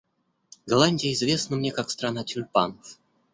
Голландия известна мне, как страна тюльпанов.